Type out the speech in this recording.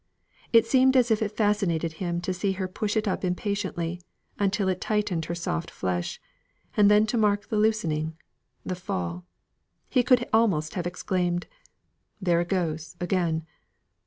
It seemed as if it fascinated him to see her push it up impatiently until it tightened her soft flesh; and then to mark the loosening the fall. He could almost have exclaimed "There it goes again!"